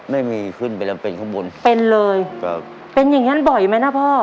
ไม่มีขึ้นไปแล้วเป็นข้างบนเป็นเลยครับเป็นอย่างงั้นบ่อยไหมนะพ่อ